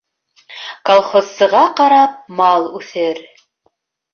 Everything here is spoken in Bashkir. Колхозсыға ҡарап мал үҫер.